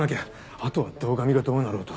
あとは堂上がどうなろうと。